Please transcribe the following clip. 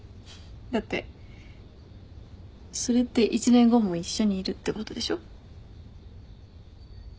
だってそれって１年後も一緒にいるってことでしょ？